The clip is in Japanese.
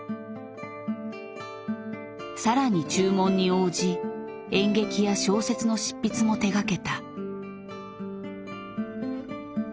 更に注文に応じ演劇や小説の執筆も手がけた。